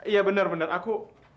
iya bener bener aku